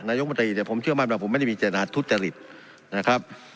นายกมตรีแต่ผมเชื่อมั่นว่าผมไม่ได้มีจริงอาจทุจริตนะครับ